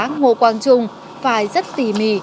ngô quang trung phải rất tỉ mỉ